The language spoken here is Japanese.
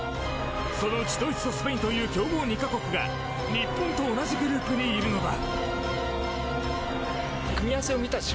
そのうち、ドイツとスペインという強豪２か国が日本と同じグループにいるのだ。